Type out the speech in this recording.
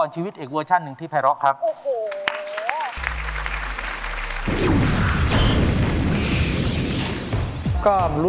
ช่วยฝังดินหรือกว่า